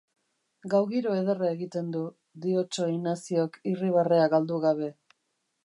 Gaugiro ederra egiten du, diotso Inaziok irribarrea galdu gabe.